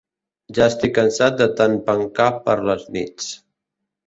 Ja estic cansat de tant pencar per les nits.